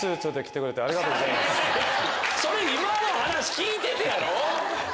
それ今の話聞いててやろ？